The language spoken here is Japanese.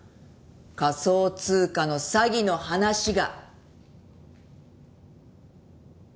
仮想通貨の詐欺の話が。